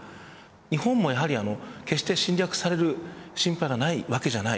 日本も決して侵略される心配がないわけじゃない。